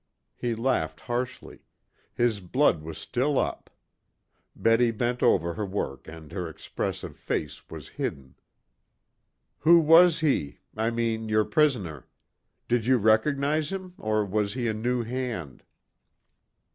He laughed harshly. His blood was still up. Betty bent over her work and her expressive face was hidden. "Who was he? I mean your prisoner. Did you recognize him, or was he a new hand?"